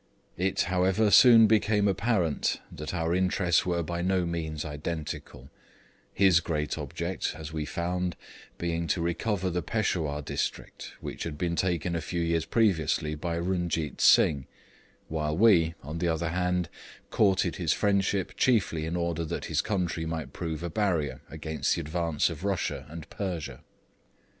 It, however, soon became apparent that our interests were by no means identical; his great object, as we found, being to recover the Peshawur district, which had been taken a few years previously by Runjeet Singh, while we, on the other hand, courted his friendship chiefly in order that his country might prove a barrier against the advance of Russia and Persia.